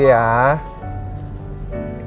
sekarang nyusu dulu ya